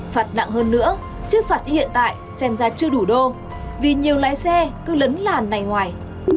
phạt nặng hơn nữa chứ phạt như hiện tại xem ra chưa đủ đô vì nhiều lái xe cứ lấn làn này ngoài